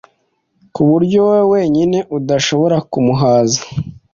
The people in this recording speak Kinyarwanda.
ku buryo wowe wenyine udashobora kumuhaza